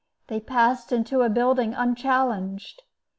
They passed into a building unchallenged.